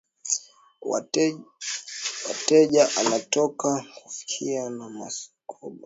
Wateja anaotaka kuwafikia na masoko ya bidhaa zake